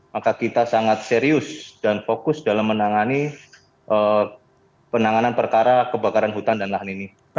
maka kita sangat serius dan fokus dalam menangani penanganan perkara kebakaran hutan dan lahan ini